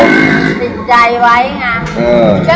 ติดใจไว้ไง